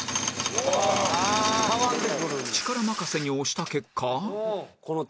力任せに押した結果